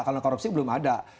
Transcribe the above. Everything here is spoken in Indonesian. kalau korupsi belum ada